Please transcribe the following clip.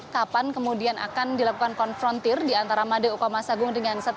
kapan kemudian akan dilakukan konfrontir di antara made okamasagung